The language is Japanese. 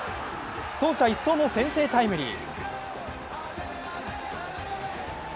走者一掃の先制タイムリー。